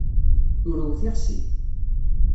Turew tixsi.